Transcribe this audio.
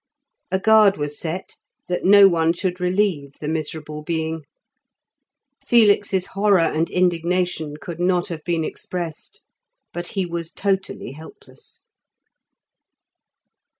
A guard was set that no one should relieve the miserable being. Felix's horror and indignation could not have been expressed, but he was totally helpless.